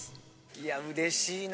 いやうれしいな。